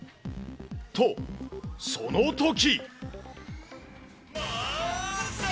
と、そのとき。